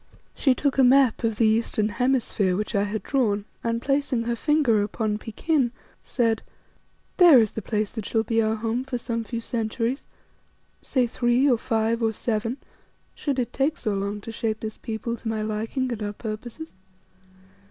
She took a map of the eastern hemisphere which I had drawn and, placing her finger upon Pekin, said "There is the place that shall be our home for some few centuries, say three, or five, or seven, should it take so long to shape this people to my liking and our purposes.